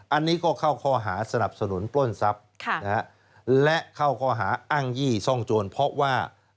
อันนี้ก็เข้าข้อหาสนับสนุนปล้นทรัพย์และเข้าข้อหาอ้างยี่ซ่องโจรเพราะว่า